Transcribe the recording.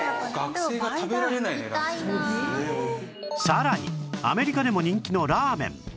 さらにアメリカでも人気のラーメン